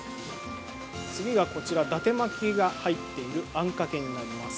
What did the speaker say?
次が、だて巻きが入っているあんかけになります。